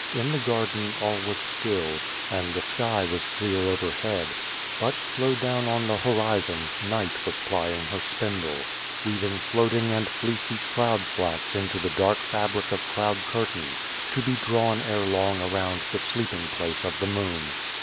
In the garden all was still, and the sky was clear overhead, but, low down on the horizon, Night was plying her spindle, weaving floating and fleecy cloud flax into the dark fabric of cloud curtains, to be drawn ere long around the sleeping place of the moon.